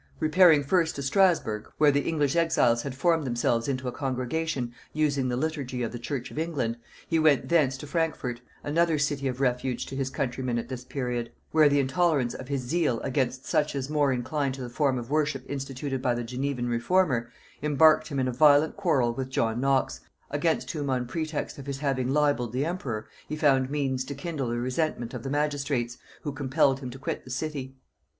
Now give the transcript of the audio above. Repairing first to Strasburgh, where the English exiles had formed themselves into a congregation using the liturgy of the church of England, he went thence to Frankfort, another city of refuge to his countrymen at this period; where the intolerance of his zeal against such as more inclined to the form of worship instituted by the Genevan reformer, embarked him in a violent quarrel with John Knox, against whom, on pretext of his having libelled the emperor, he found means to kindle the resentment of the magistrates, who compelled him to quit the city.